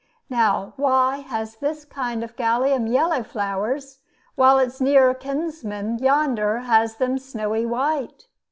Now why has this kind of galium yellow flowers, while its near kinsman yonder has them snowy white?